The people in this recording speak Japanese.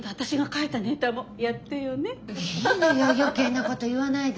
いいのよ余計なこと言わないで。